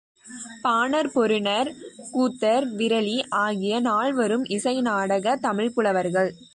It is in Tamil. பாணர், பொருநர், கூத்தர், விரலி ஆகிய நால்வரும் இசை நாடக தமிழ்ப்புலவர்கள்.